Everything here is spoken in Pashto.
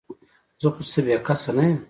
زه خو څه بې کسه نه یم ؟